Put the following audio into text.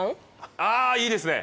ああいいですね！